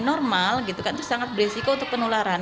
yang normal gitu kan itu sangat berisiko untuk penularan